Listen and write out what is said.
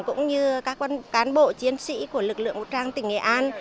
cũng như các cán bộ chiến sĩ của lực lượng vũ trang tỉnh nghệ an